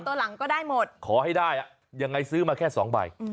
ตัวหลังก็ได้หมดขอให้ได้ยังไงซื้อมาแค่สองใบ